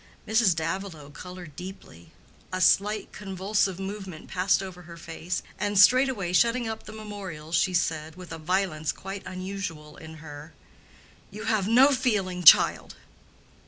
Mrs. Davilow colored deeply, a slight convulsive movement passed over her face, and straightway shutting up the memorials she said, with a violence quite unusual in her, "You have no feeling, child!"